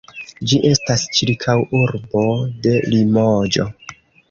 Ĝi estas ĉirkaŭurbo de Limoĝo.